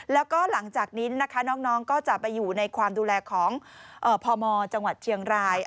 แล้วก็หลังจากนี้นะคะน้องก็จะไปอยู่ในความดูแลของพมจังหวัดเชียงราย